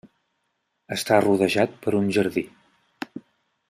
Està rodejat per un jardí.